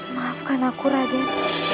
maafkan aku raden